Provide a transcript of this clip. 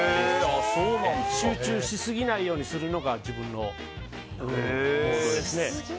集中しすぎないようにするのが自分のモードですね。